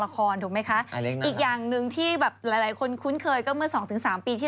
ถูกไหมคะอีกอย่างหนึ่งที่แบบหลายคนคุ้นเคยก็เมื่อ๒๓ปีที่